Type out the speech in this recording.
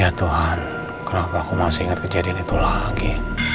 ya tuhan kenapa aku masih ingat kejadian itu lagi